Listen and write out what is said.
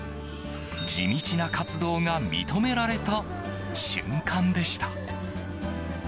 地道な活動が認められた瞬間でした。